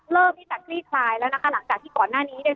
เริ่มที่จะคลี่คลายแล้วนะคะหลังจากที่ก่อนหน้านี้เนี่ย